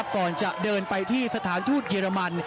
ก่อนจะเดินไปที่สถานทูตเยอรมัน